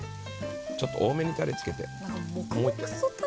ちょっと多めにたれつけて。